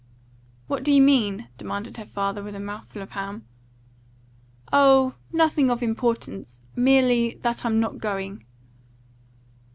"What do you mean?" demanded her father, with a mouth full of ham. "Oh, nothing of importance. Merely that I'm not going."